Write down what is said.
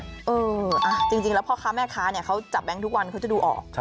เออจริงแล้วพ่อค้าแม่ค้าเนี่ยเขาจับแบงค์ทุกวันเขาจะดูออก